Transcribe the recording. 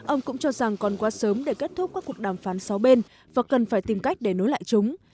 ông cũng cho rằng còn quá sớm để kết thúc các cuộc đàm phán sáu bên và cần phải tìm cách để nối lại chúng